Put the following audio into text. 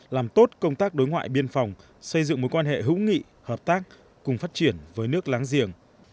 làm tốt công tác đối ngoại biên phòng xây dựng mối quan hệ hữu nghị hợp tác cùng phát triển với nước láng giềng